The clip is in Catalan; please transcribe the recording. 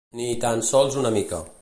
Ni tan sols una mica.